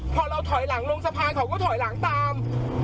พอเราถอยหลังลงสะพานเขาก็ถอยหลังตาม